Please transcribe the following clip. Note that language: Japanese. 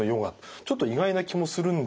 ちょっと意外な気もするんですが。